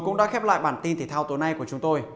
cũng đã khép lại bản tin thể thao tối nay của chúng tôi